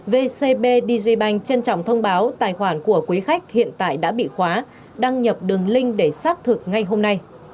vcb digibank trân trọng thông báo tài khoản của quý khách hiện tại đã bị khóa đăng nhập đường linh để xác thực ngay hôm nay